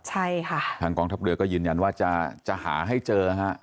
ทางกองทัพเรือก็ยืนยันว่าจะหาให้เจอ